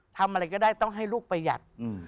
ทำอะไรก็ได้ต้องให้ลูกประหยัด